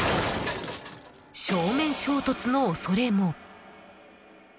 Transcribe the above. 正面衝突の恐れも。